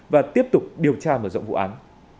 và tiếp tục điều tra mở rộng vụ án